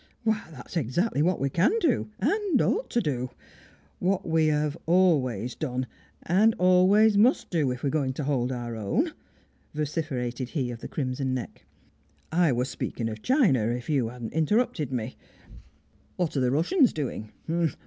Why, that's exactly what we can do, and ought to do! What we always have done, and always must do, if we're going to hold our own," vociferated he of the crimson neck. "I was speaking of China, if you hadn't interrupted me. What are the Russians doing?